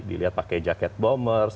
dilihat pakai jaket bombers